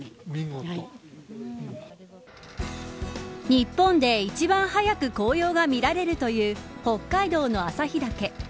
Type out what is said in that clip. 日本で一番早く紅葉が見られるという北海道の旭岳。